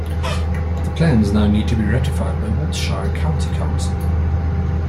The plans now need to be ratified by Wiltshire County Council.